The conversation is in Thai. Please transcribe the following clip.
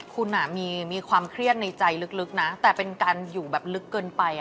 คุณมีความเครียดในใจลึกนะแต่เป็นการอยู่แบบลึกเกินไป